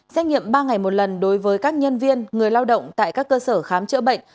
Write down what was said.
xét nghiệm ba ngày một lần đối với các nhân viên người lao động tại các cơ sở khám chữa bệnh